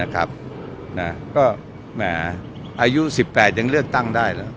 ก็แหมอายุ๑๘ยังเลื่อนตั้ง